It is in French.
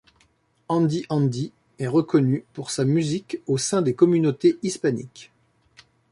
Andy Andy est reconnu pour sa musique au sein des communautés hispaniques.